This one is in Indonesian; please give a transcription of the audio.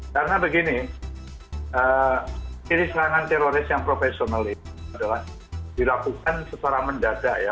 karena begini kiri serangan teroris yang profesional ini adalah dilakukan secara mendadak ya